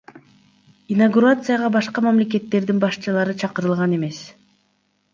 Инаугурацияга башка мамлекеттердин башчылары чакырылган эмес.